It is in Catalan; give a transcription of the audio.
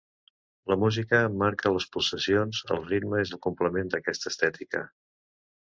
La música marca les pulsacions, el ritme, és el complement d'aquesta estètica.